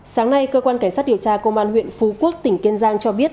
sáng nay cơ quan cảnh sát điều tra công an huyện phú quốc tỉnh kiên giang cho biết